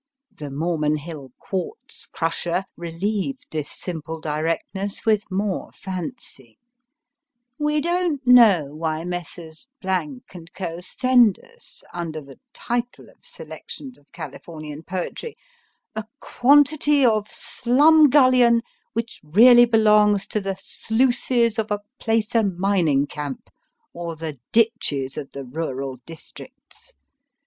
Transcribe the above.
The Mormon Hill Quartz Crustier relieved this simple directness with more fancy : We don t know why Messrs. & Co. send us, under the title of " Selections of Californian Poetry," a quantity of slum gullion which really belongs to the sluices of a placer mining camp, or the ditches of the rural districts.